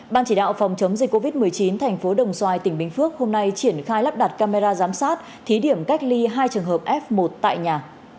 ban chỉ đạo phòng chống dịch covid một mươi chín thành phố đồng xoài tỉnh bình phước hôm nay triển khai lắp đặt camera giám sát thí điểm cách ly hai trường hợp f một tại nhà